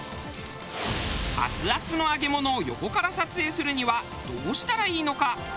アツアツの揚げ物を横から撮影するにはどうしたらいいのか？